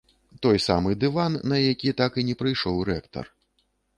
Той самы дыван, на які так і не прыйшоў рэктар.